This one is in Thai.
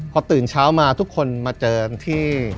พอตื่นเช้ามาทุกคนมาเจอกันที่